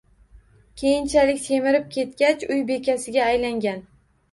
Keyinchalik semirib ketgach, «uy beksasi»ga aylangan